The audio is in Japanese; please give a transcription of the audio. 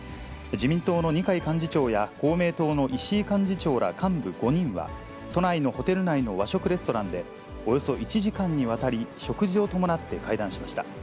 自民党の二階幹事長や公明党の石井幹事長ら幹部５人は、都内のホテル内の和食レストランで、およそ１時間にわたり食事を伴って会談しました。